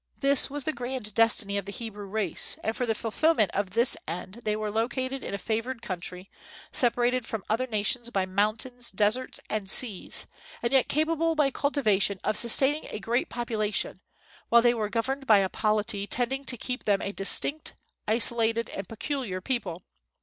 This was the grand destiny of the Hebrew race; and for the fulfilment of this end they were located in a favored country, separated from other nations by mountains, deserts, and seas, and yet capable by cultivation of sustaining a great population, while they were governed by a polity tending to keep them a distinct, isolated, and peculiar people.